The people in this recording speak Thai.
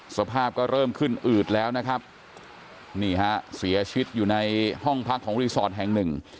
สภาพก็เริ่มขึ้นอืดแล้วนะครับนี่ฮะเสียชีวิตอยู่ในห้องพักของรีสอร์ทแห่งหนึ่ง